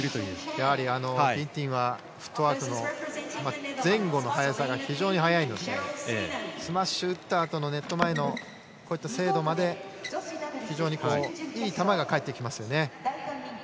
やはりギンティンはフットワーク、前後の速さが非常に速いのでスマッシュ打ったあとのネットの精度までいい球が返ってきますよね。